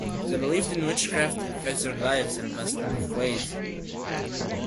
The belief in witchcraft affects their lives in a vast number of ways.